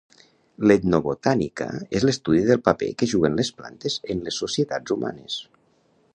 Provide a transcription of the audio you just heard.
L'etnobotànica és l'estudi del paper que juguen les plantes en les societats humanes.